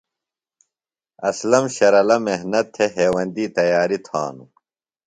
اسلم شرلہ محنت تھےۡ ہیوندی تیاری تھانو۔